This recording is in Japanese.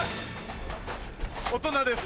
大人です。